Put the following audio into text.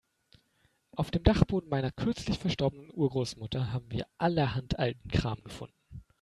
Auf dem Dachboden meiner kürzlich verstorbenen Urgroßmutter haben wir allerhand alten Kram gefunden.